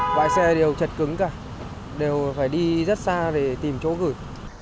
bãi xe đều chật cứng cả đều phải đi rất xa để tìm chỗ gửi